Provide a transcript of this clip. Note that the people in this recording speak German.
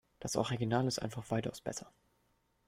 Das Original ist einfach weitaus besser.